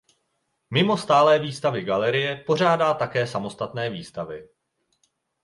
Mimo stálé výstavy galerie pořádá také samostatné výstavy.